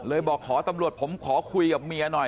บอกขอตำรวจผมขอคุยกับเมียหน่อย